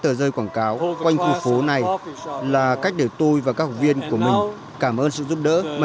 tờ rơi quảng cáo quanh khu phố này là cách để tôi và các học viên của mình cảm ơn sự giúp đỡ mà